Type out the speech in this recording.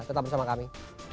tetap bersama kami